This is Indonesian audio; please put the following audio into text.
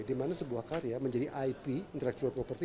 dimana sebuah karya menjadi ip intellectual property dan artis